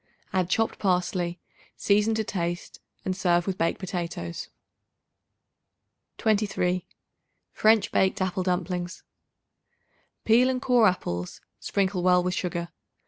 Add chopped parsley; season to taste and serve with baked potatoes. 23. French Baked Apple Dumplings. Peel and core apples; sprinkle well with sugar.